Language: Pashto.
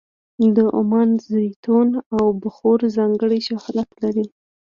د عمان زیتون او بخور ځانګړی شهرت لري.